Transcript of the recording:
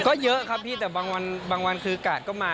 ก็เยอะครับพี่แต่บางวันคือกาดก็มา